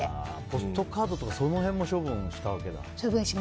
ポストカードとかその辺も処分したわけだ。